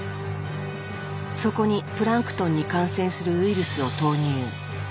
そこにプランクトンに感染するウイルスを投入。